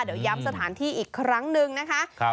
เดี๋ยวย้ำสถานที่อีกครั้งหนึ่งนะคะ